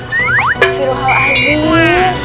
masih firoh halah adiknya